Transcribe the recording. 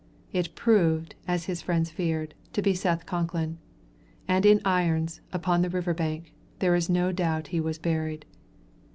It proved, as his friends feared, to be Seth Concklin. And in irons, upon the river bank, there is no doubt he was buried.